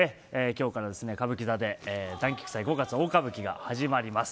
今日から歌舞伎座で「團菊祭五月大歌舞伎」が始まります。